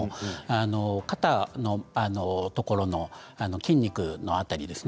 肩のところの筋肉の辺りですね。